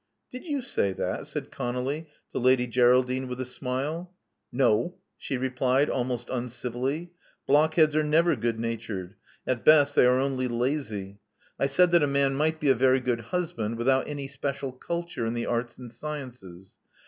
Did you say that?" said ConoUy to Lady Geraldine, with a smile. *'No," she replied, almost uncivilly. Blockheads are never good natured. At best, they are only lazy. I said that a man might be a very good husband without any special culture in the arts and sciences.